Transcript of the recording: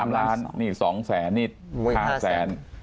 ๓ล้านนี่๒แสนนี่๕แสน